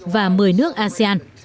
và một mươi nước asean